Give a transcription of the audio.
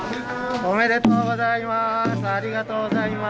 おめでとうございます。